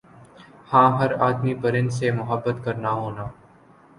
ہاں ہَر آدمی پرند سے محبت کرنا ہونا